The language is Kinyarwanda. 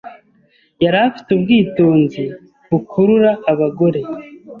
Yari afite ubwitonzi bukurura abagore.